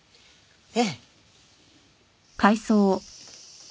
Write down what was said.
ええ。